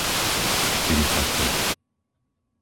štyridsaťpäť